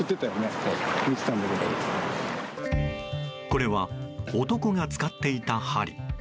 これは、男が使っていた針。